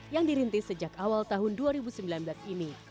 yang dirintis sejak awal tahun dua ribu sembilan belas ini